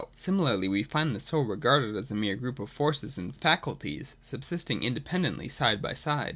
Similarly we find the soul regarded as a mere group of forces and faculties, subsisting independently side by side.